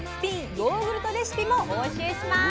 ヨーグルトレシピもお教えします！